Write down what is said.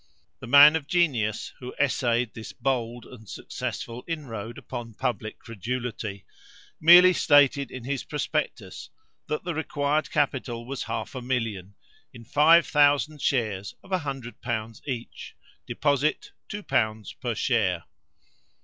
The man of genius who essayed this bold and successful inroad upon public credulity, merely stated in his prospectus that the required capital was half a million, in five thousand shares of 100l. each, deposit 2l. per share.